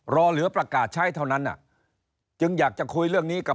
รอเหลือประกาศใช้เท่านั้นจึงอยากจะคุยเรื่องนี้กับ